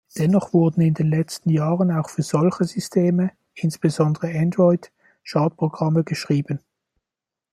Dennoch wurden in den letzten Jahren auch für solche Systeme, insbesondere Android, Schadprogramme geschrieben.